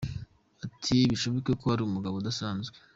Ati “Bishoboke ko ari umugabo udasanzwe.